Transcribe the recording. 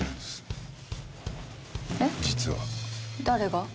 誰が？